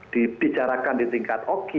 dibicarakan di tingkat oki